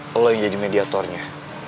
kamu yang menjadi mediatornya